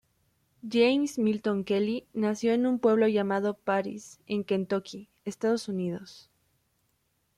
James Milton Kelly nació en un pueblo llamado Paris en Kentucky, Estados Unidos.